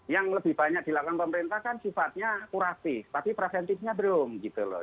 yang lebih banyak dilakukan pemerintah kan sifatnya kuratif tapi preventifnya belum gitu loh